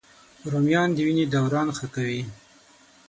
رومیان د وینې دوران ښه کوي